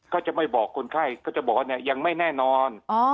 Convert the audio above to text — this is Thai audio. ก็จะไม่บอกคนไข้ก็จะบอกว่าเนี่ยยังไม่แน่นอน